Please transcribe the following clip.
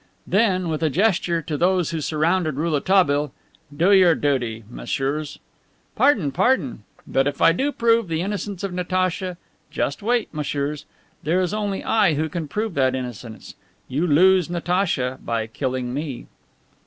Then, with a gesture to those who surrounded Rouletabille: "Do your duty, messieurs." "Pardon, pardon. But if I do prove the innocence of Natacha? Just wait, messieurs. There is only I who can prove that innocence! You lose Natacha by killing me!"